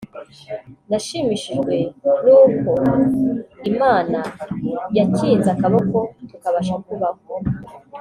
Nashimishijwe nuko Imana yakinze akaboko tukabasha kubaho